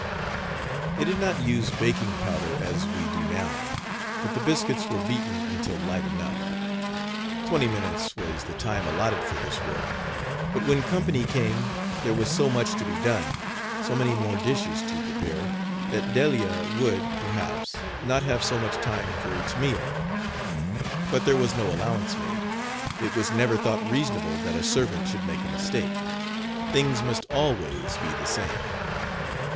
They did not use baking powder, as we do now, but the biscuits were beaten until light enough. Twenty minutes was the time allotted for this work; but when company came there was so much to be Page 72 done so many more dishes to prepare, that Delia would, perhaps, not have so much time for each meal. But there was no allowance made. It was never thought reasonable that a servant should make a mistake things must always be the same.